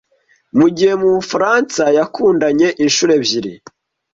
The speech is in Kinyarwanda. Mugihe mubufaransa yakundanye inshuro ebyiri: